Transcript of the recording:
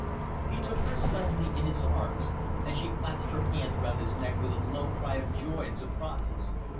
He took her suddenly in his arms, and she clasped her hands round his neck with a low cry of joy and surprise.